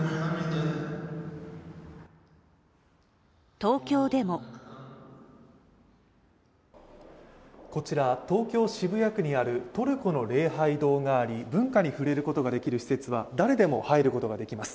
東京でもこちら、東京・渋谷区にあるトルコの礼拝堂があり文化に触れることができる施設は誰でも入ることができます。